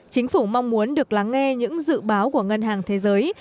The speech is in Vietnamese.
chính phủ mong muốn được lắng nghe những dự báo của ngân hàng thế giới